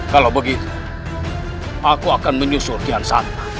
kalau begitu aku akan menyusur kian sana